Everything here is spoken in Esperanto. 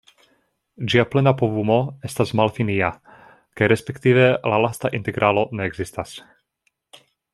Ĝia plena povumo estas malfinia, kaj respektive la lasta integralo ne ekzistas.